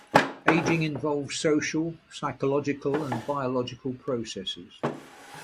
Aging involves social, psychological, and biological processes.